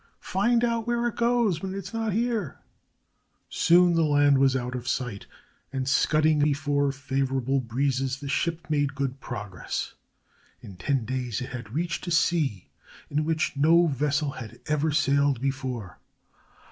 "Find out where it goes when it is not here." Soon the land was out of sight, and scudding before favorable breezes the ship made good progress. In ten days it had reached a sea in which no vessel had ever sailed before.